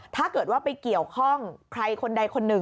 ถ้าเกิดว่าไปเกี่ยวข้องใครคนใดคนหนึ่ง